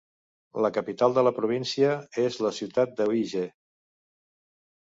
La capital de la província és la ciutat d'Uíge.